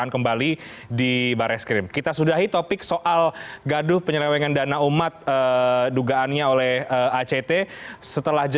kita akan lihat